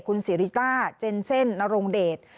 คุณสิริต้าเจนเซ่นนรงเดช